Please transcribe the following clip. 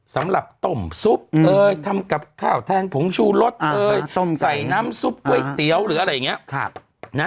สำหรับต้มซุปทำกับข้าวแทนผงชูรสใส่น้ำซุปก๋วยเตี๋ยวหรืออะไรอย่างนี้